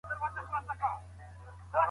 د اسلام منل پر مشرکينو اړين دي.